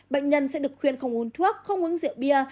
bệnh nhân sẽ được khuyên không uống thuốc không uống rượu bia